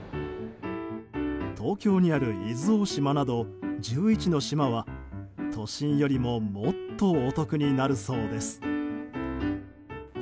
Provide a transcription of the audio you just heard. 東京にある伊豆大島など１１の島は都心よりももっとお得になるそうです。